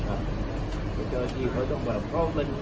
อย่างล่าสู่เฉพาะคืนขณะล็อต